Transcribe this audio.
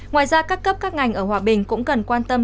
ngoài ra các cấp các ngành ở hòa bình cũng cần quan tâm